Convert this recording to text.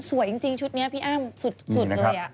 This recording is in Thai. สวยจริงชุดนี้พี่อ้ำสุดเลย